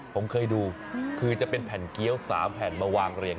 ผมเคยดูคือจะเป็นแผ่นเกี้ยว๓แผ่นมาวางเรียง